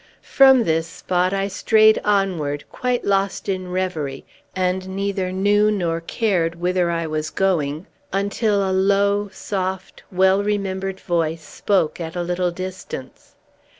From this spot I strayed onward, quite lost in reverie, and neither knew nor cared whither I was going, until a low, soft, well remembered voice spoke, at a little distance.